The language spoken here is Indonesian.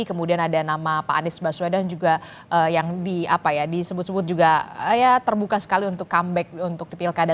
kemudian ada nama pak anies baswedan juga yang disebut sebut juga ya terbuka sekali untuk comeback untuk di pilkada